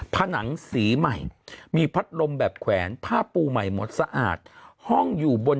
ผนังสีใหม่มีพัดลมแบบแขวนผ้าปูใหม่หมดสะอาดห้องอยู่บน